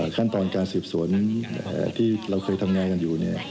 ขั้นตอนการสืบสวนที่เราเคยทำงานกันอยู่